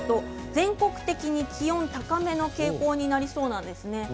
全国的に気温が高めの傾向になりそうです。